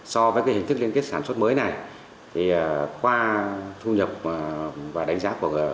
so với hình thức liên kết sản xuất mới này thì qua thu nhập và đánh giá của